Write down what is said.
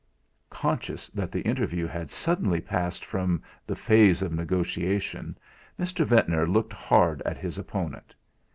Conscious that the interview had suddenly passed from the phase of negotiation, Mr. Ventnor looked hard at his opponent.